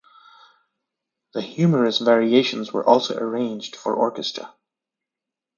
The humorous variations were also arranged for orchestra.